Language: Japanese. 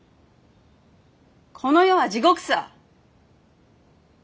この世は地獄さ。